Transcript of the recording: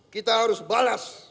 kita harus balas